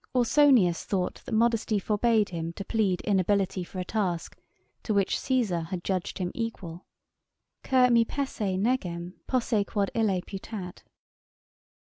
Ausonius thought that modesty forbade him to plead inability for a task to which Caesar had judged him equal: Cur me pesse negem posse quod ille putat?